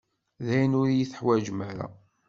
Dayen, ur yi-teḥwaǧem ara.